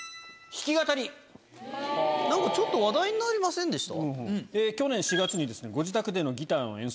なんかちょっと話題になりませんでした？